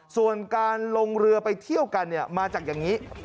ส่วนการลงเรือไปเที่ยวกันมาจากอย่างนี้